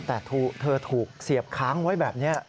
แต่เธอถูกเสียบค้างไว้แบบนี้